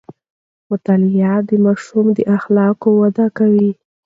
مطالعه د ماشوم د اخلاقو وده کوي.